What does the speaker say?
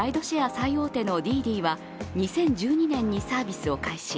最大手のＤｉＤｉは２０１２年にサービスを開始。